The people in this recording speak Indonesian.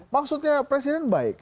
maksudnya presiden baik